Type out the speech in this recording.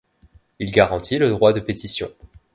Il garantit le droit de pétition.